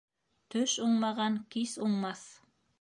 Төш уңмаған кис уңмаҫ